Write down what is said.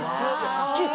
聞いた！